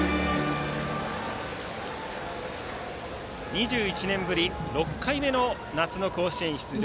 ２１年ぶり６回目の夏の甲子園出場